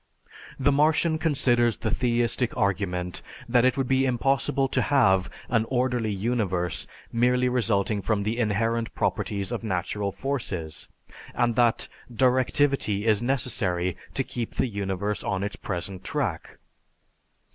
The Martian considers the theistic argument that it would be impossible to have an orderly universe merely resulting from the inherent properties of natural forces, and that "directivity" is necessary to keep the universe on its present track.